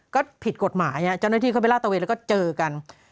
ก็ผิดกฎหมายเจ้าหน้าที่เข้าไปลาตะเวนแล้วก็เจอกัน